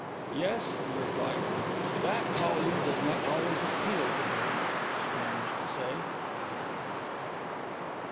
"Yes," he replied. "That, Hollyer, does not always appeal to the woman, strange to say."